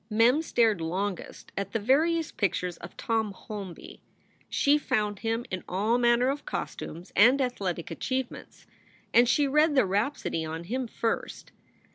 Mem stared longest at the various pictures of Tom Holby. 56 SOULS FOR SALE She found him in all manner of costumes and athletic achieve ments, and she read the rhapsody on him first.